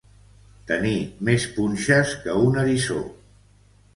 Tenir més punxes que un eriçó.